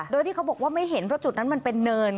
โดยที่เขาบอกว่าไม่เห็นเพราะจุดนั้นมันเป็นเนิน